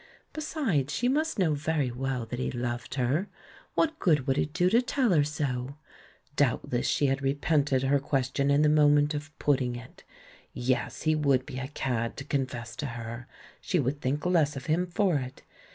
Besides, she must know very well that he loved her — what good would it do to tell her so? — doubtless she had repented her question in the moment of putting it! Yes, he would be a cad to confess to her — she would think less of him for it.